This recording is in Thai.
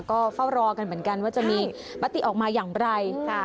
ก็เฝ้ารอกันเหมือนกันว่าจะมีมติออกมาอย่างไร